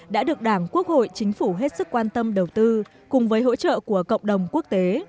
đã được đảng quốc hội chính phủ hết sức quan tâm đầu tư cùng với hỗ trợ của cộng đồng quốc tế